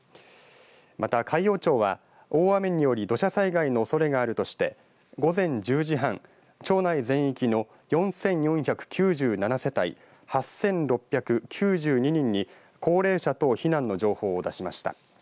また、海陽町は大雨により土砂災害のおそれがあるとして午前１０時半町内全域の４４９７世帯８６９２人に高齢者等避難の情報を出しました。